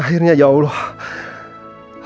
akhirnya ya allah